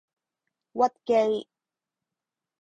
屈機